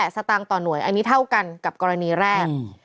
สตางค์ต่อหน่วยอันนี้เท่ากันกับกรณีแรก